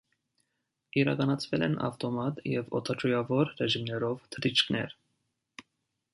Իրականացվել են ավտոմատ և օդաչուավոր ռեժիմներով թռիչքներ։